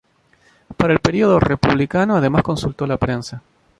Para el período republicano además consultó la prensa.